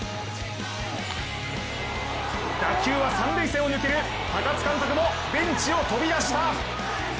打球は３塁線を抜ける高津監督もベンチを飛び出した。